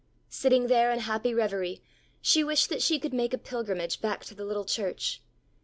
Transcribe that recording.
Sitting there in happy reverie, she wished that she could make a pilgrimage back to the little church.